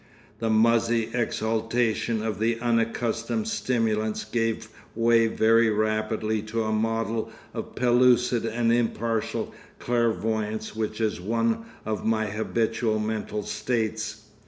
The muzzy exaltation of the unaccustomed stimulants gave way very rapidly to a model of pellucid and impartial clairvoyance which is one of my habitual mental states.